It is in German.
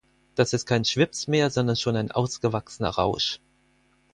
Das ist kein Schwips mehr, sondern schon ein ausgewachsener Rausch.